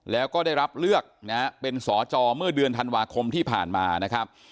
แล้วก็ได้รับเลือกเป็นสตอิ๋วเมื่อเดือนธันวาคมที่ผ่านมา